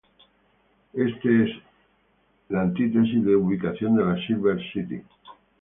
Este es la antítesis de ubicación de la Silver City.